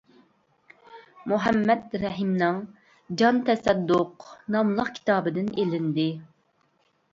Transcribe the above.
مۇھەممەد رەھىمنىڭ «جان تەسەددۇق» ناملىق كىتابىدىن ئېلىندى.